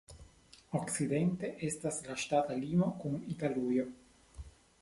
Okcidente estas la ŝtata limo kun Italujo.